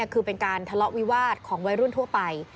คือเป็นการทะเลาะวิวาสของวัยรุ่นทั่วไป